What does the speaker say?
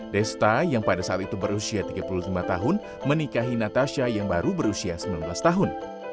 desta yang pada saat itu berusia tiga puluh lima tahun menikahi natasha yang baru berusia sembilan belas tahun